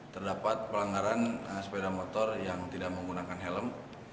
terdapat pelanggaran sepeda motor yang tidak menggunakan helm